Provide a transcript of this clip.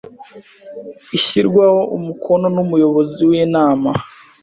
Ishyirwaho umukono n Umuyobozi w inama